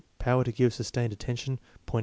Power to give sustained attention 54 3.